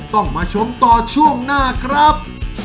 ต้องมาชมต่อช่วงหน้าครับ